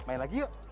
main lagi yuk